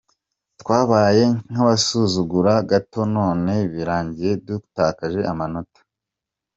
Twabaye nk’abasuzugura gato none birangiye dutakaje amanota.